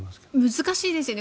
難しいですよね。